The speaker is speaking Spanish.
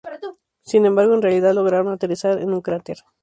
Sin embargo, en realidad, lograron aterrizar en un cráter.